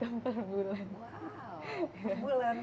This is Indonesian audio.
wow per bulan